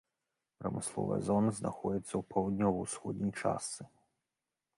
Прамысловая зона знаходзіцца ў паўднёва-ўсходняй частцы.